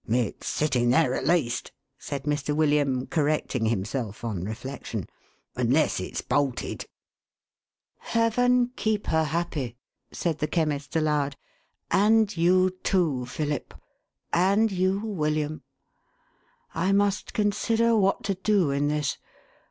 It's sitting there, at least," said Mr. William, correcting himself, on reflection, "unless it's bolted !"" Heaven keep her happy !" said the Chemist aloud, " and you too, Philip ! and you, William ! I must consider what to do in this.